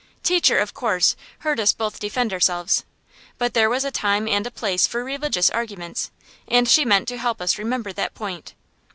Teacher, of course, heard us both defend ourselves, but there was a time and a place for religious arguments, and she meant to help us remember that point.